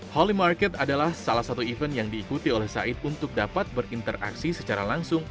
holy market adalah salah satu event yang diikuti oleh said untuk dapat berinteraksi secara langsung